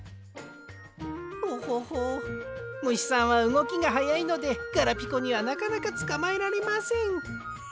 トホホむしさんはうごきがはやいのでガラピコにはなかなかつかまえられません。